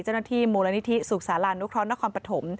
เจ้าหน้าที่มูลนิธิศูกษาราณุครณครปฐม